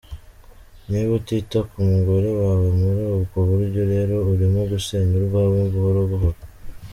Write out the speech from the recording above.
Niba utita ku mugore wawe muri ubwo buryo rero urimo gusenya urwawe buhoro buhoro.